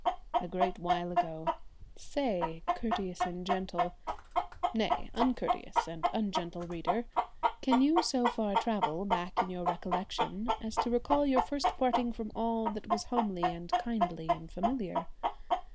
A great while ago! Say, courteous and gentle nay, uncourteous and ungentle reader can you so far travel back in your recollection as to recall your first parting from all that was homely and kindly and familiar?